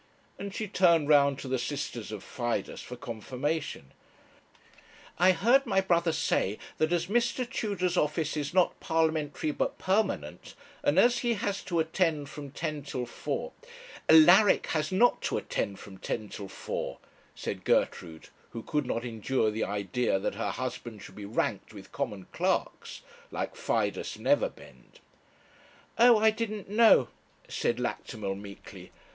and she turned round to the sisters of Fidus for confirmation. 'I heard my brother say that as Mr. Tudor's office is not parliamentary but permanent, and as he has to attend from ten till four ' 'Alaric has not to attend from ten till four,' said Gertrude, who could not endure the idea that her husband should be ranked with common clerks, like Fidus Neverbend. 'Oh, I didn't know,' said Lactimel, meekly.